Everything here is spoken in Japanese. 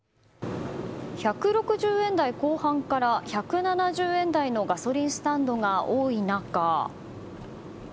１６０円台後半から１７０円台のガソリンスタンドが多い中。